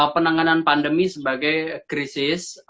penanganan pandemi sebagai krisis